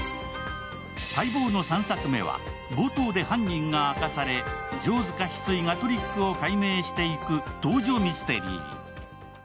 待望の３作目は、冒頭で犯人が明かされ城塚翡翠がトリックを解明していく傾叙ミステリー。